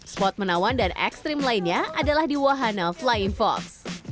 spot menawan dan ekstrim lainnya adalah di wahana flying fox